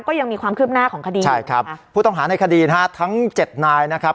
ก็ยังมีความคืบหน้าของคดีใช่ครับผู้ต้องหาในคดีนะฮะทั้งเจ็ดนายนะครับ